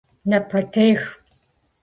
Напэтех!